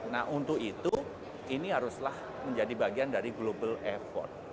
nah untuk itu ini haruslah menjadi bagian dari global effort